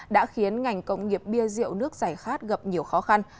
đã khiến ngành công nghiệp bia rượu nước giải khát gặp nhiều khó khăn